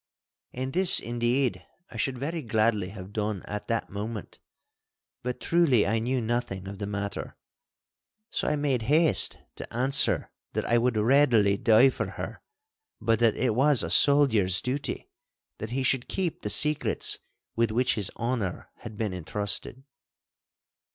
And this, indeed, I should very gladly have done at that moment, but truly I knew nothing of the matter. So I made haste to answer that I would readily die for her, but that it was a soldier's duty that he should keep the secrets with which his honour had been entrusted.